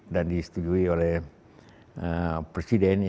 dan disetujui oleh presiden